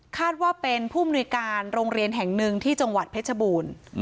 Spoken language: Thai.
ว่าเป็นผู้มนุยการโรงเรียนแห่งหนึ่งที่จังหวัดเพชรบูรณ์